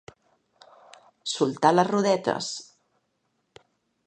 Soltar les rodetes.